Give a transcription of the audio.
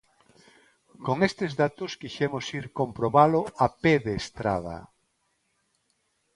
Con estes datos quixemos ir comprobalo a pé de estrada.